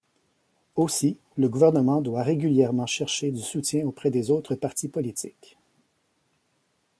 Aussi, le gouvernement doit régulièrement chercher du soutien auprès des autres partis politiques.